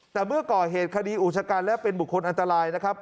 แต่เมื่อก่อเหตุคดีอุชกันและเป็นบุคคลอันตรายนะครับ